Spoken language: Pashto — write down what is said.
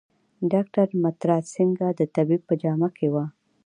ډاکټر مترا سینګه د طبیب په جامه کې و.